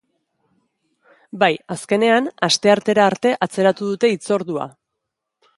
Baina, azkenean, asteartera arte atzeratu dute hitzordua.